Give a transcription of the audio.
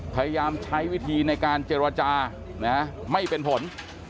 พยายามใช้วิธีในการเจรจาไม่เป็นผล